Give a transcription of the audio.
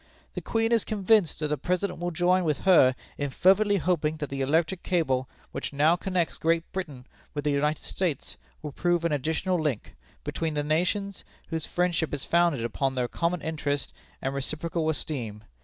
"The Queen is convinced that the President will join with her in fervently hoping that the electric cable which now connects Great Britain with the United States will prove an additional link between the nations, whose friendship is founded upon their common interest and reciprocal esteem.